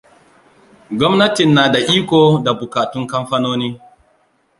Gwamnatin na da iko da buƙatun kamfanoni.